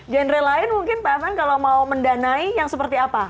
genre lain mungkin pak evan kalau mau mendanai yang seperti apa